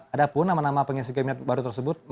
ada pun nama nama pengisi kabinet baru tersebut